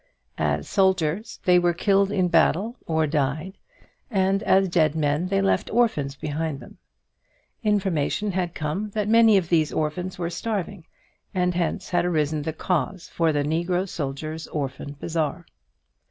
As soldiers they were killed in battle, or died, and as dead men they left orphans behind them. Information had come that many of these orphans were starving, and hence had arisen the cause for the Negro Soldiers' Orphan Bazaar.